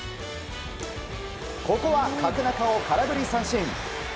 ここは、角中を空振り三振！